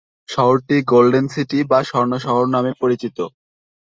শহরটি golden city বা স্বর্ণ শহর নামে পরিচিত।